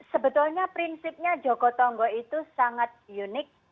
sebetulnya prinsipnya joko tonggo itu sangat unik